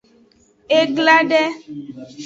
E gla de.